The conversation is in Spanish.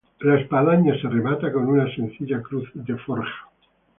La espadaña se remata con una sencilla cruz de forja.